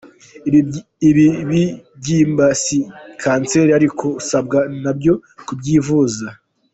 Ibi bibyimba si kanseri ariko usabwa nabyo kubyivuza.